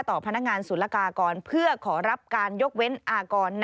ต่อพนักงานศุลกากร